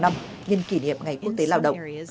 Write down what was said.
nhân kỷ niệm ngày quốc tế lao động